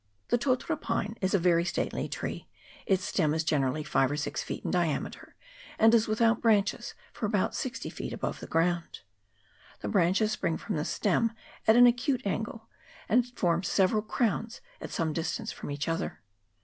The totara pine is a very stately tree : its stem is generally five or six feet in diameter, and is without branches for about sixty feet above the ground. The branches spring from the stem at an acute angle, and form several crowns at some distance from each other.